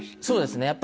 そうですね。